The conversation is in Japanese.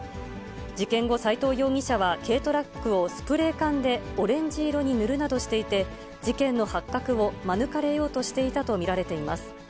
事件後、斎藤容疑者は軽トラックをスプレー缶でオレンジ色に塗るなどしていて、事件の発覚を免れようとしていたと見られています。